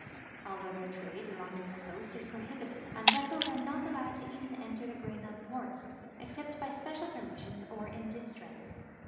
All other trade along this coast is prohibited, and vessels are not allowed to even enter the Greenland ports, except by special permission or in distress.